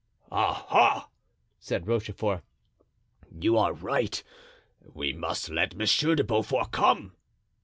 "Ah! ha!" said Rochefort, "you are right. We must let Monsieur de Beaufort come."